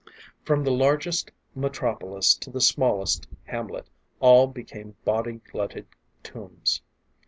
From the largest metropolis to the smallest hamlet, all became body glutted tombs.